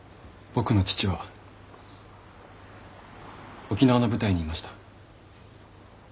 僕の父は沖縄の部隊にいました。